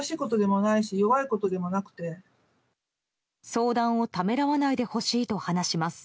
相談をためらわないでほしいと話します。